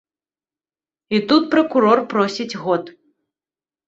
І тут пракурор просіць год.